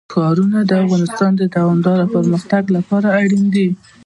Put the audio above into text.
ښارونه د افغانستان د دوامداره پرمختګ لپاره اړین دي.